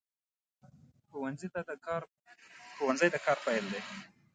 ښوونځی د کار پیل دی